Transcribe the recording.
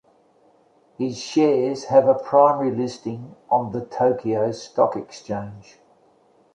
Its shares have a primary listing on the Tokyo Stock Exchange.